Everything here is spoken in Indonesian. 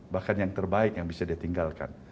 bahkan yang terbaik yang bisa ditinggalkan